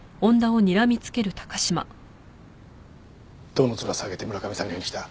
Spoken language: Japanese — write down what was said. どのツラ下げて村上さんに会いに来た？